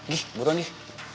gih buruan gih